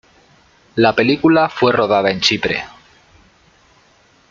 La película fue rodada en Chipre.